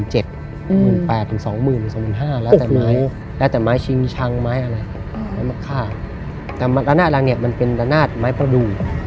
หลานาดหลางนี่เป็นหลานาดไม้ปฏุ